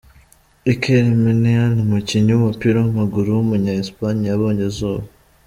Iker Muniain, umukinnyi w’umupira w’amaguru w’umunya Espagne yabonye izuba.